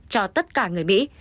cho tất cả người mỹ